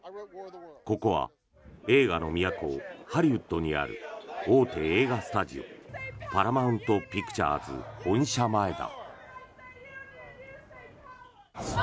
ここは映画の都、ハリウッドにある大手映画スタジオパラマウント・ピクチャーズ本社前だ。